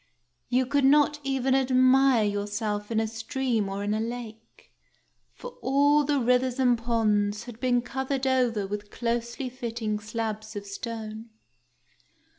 You could not even admire yourself in a stream or in a lake, for all the rivers and ponds had been covered over with closely fitting slabs of stone.